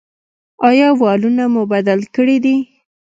ایا والونه مو بدل کړي دي؟